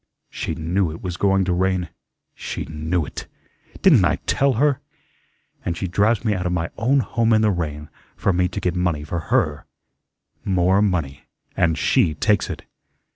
She knew it was going to rain. She KNEW it. Didn't I TELL her? And she drives me out of my own home in the rain, for me to get money for her; more money, and she takes it.